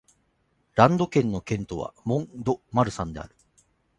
ランド県の県都はモン＝ド＝マルサンである